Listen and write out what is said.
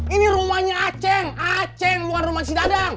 ini rumahnya aceh aceh bukan rumah si dadang